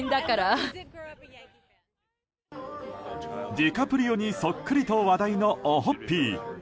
ディカプリオにそっくりと話題のオホッピー。